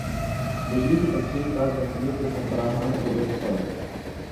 بجلی کی تقسیم کار کمپنیوں کے سربراہان عہدوں سے فارغ